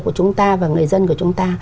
của chúng ta và người dân của chúng ta